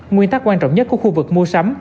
nguyên tắc quan trọng nhất của khu vực mua sắm